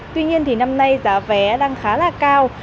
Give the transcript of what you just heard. tuy nhiên thì năm nay giá vé đang khá là cao